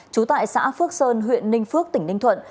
trú tại xã phước sơn huyện ninh phước tỉnh ninh thuận